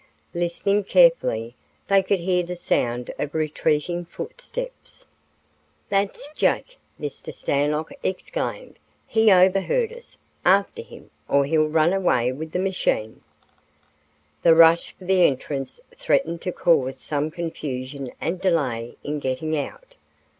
Listening carefully, they could hear the sound of retreating footsteps. "That's Jake," Mr. Stanlock exclaimed. "He overheard us. After him, or he'll run away with the machine." The rush for the entrance threatened to cause some confusion and delay in getting out.